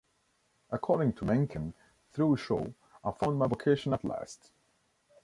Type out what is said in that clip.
According to Mencken: Through Shaw, I found my vocation at last.